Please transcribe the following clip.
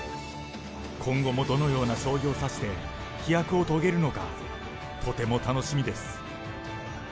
今後もどのような将棋を指して飛躍を遂げるのか、とても楽しみです。